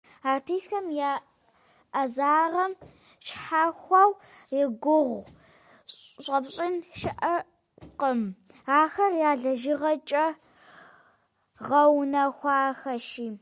Артистхэм я ӏэзагъэм щхьэхуэу и гугъу щӏэпщӏын щыӏэкъым, ахэр я лэжьыгъэкӏэ гъэунэхуахэщи.